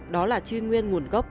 đó là truy nguyên nguồn gốc